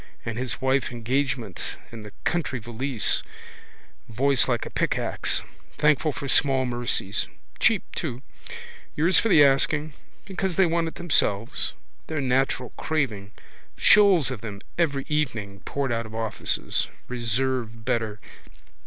And his wife engagement in the country valise, voice like a pickaxe. Thankful for small mercies. Cheap too. Yours for the asking. Because they want it themselves. Their natural craving. Shoals of them every evening poured out of offices. Reserve better.